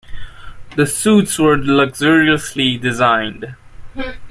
The suites were luxuriously designed.